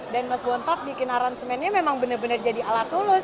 dan mas bonto bikin aransemennya memang bener bener jadi ala tulus